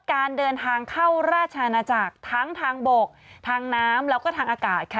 การเดินทางเข้าราชอาณาจักรทั้งทางบกทางน้ำแล้วก็ทางอากาศค่ะ